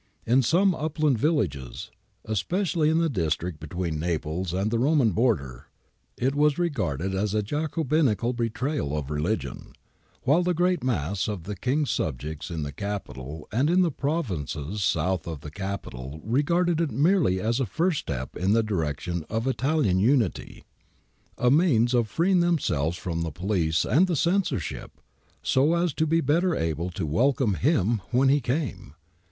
In some upland villages, especially in the district between Naples and the Roman border, it was regarded as a Jacobinical betrayal of religion ; while the great mass of the King's subjects in the capital and in the provinces south of the capital regarded it merely as a first step in the direction of Italian unity, a means of freeing themselves from the police and the censorship, so as to be better able to welcome ' him ' when he came.